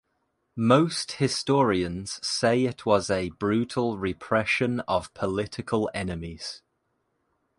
Most historians say it was a brutal repression of political enemies.